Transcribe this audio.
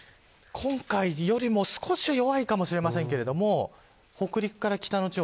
今回よりも少し弱いかもしれませんが北陸から北の地方